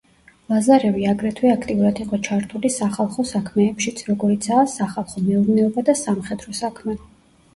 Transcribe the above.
ლაზარევი აგრეთვე აქტიურად იყო ჩართული სახალხო საქმეებშიც, როგორიცაა: სახალხო მეურნეობა და სამხედრო საქმე.